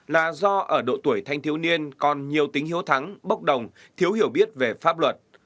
là do ở độ tuổi thanh thiếu niên còn nhiều tính hiếu thắng bốc đồng thiếu hiểu biết về pháp luật